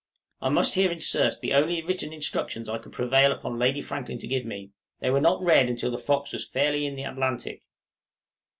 I must here insert the only written instructions I could prevail upon Lady Franklin to give me; they were not read until the 'Fox' was fairly in the Atlantic.